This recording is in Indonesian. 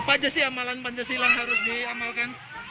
apa aja sih amalan pancasila yang harus diamalkan